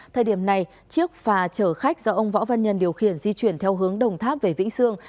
thời điểm này chiếc phà chở khách do ông võ văn nhân điều khiển di chuyển theo hướng đồng tháp về vĩnh sương